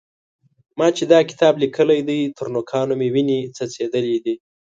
ما چې دا کتاب لیکلی دی؛ تر نوکانو مې وينې څڅېدلې دي.